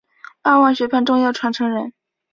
二万学派重要传承人。